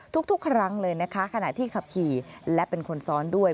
ทุกครั้งเลยนะคะขณะที่ขับขี่และเป็นคนซ้อนด้วย